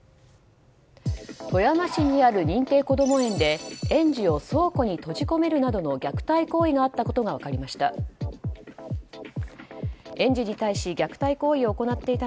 富山市にある認定こども園で園児を倉庫に閉じ込めるなどの虐待行為があったことが分かりました。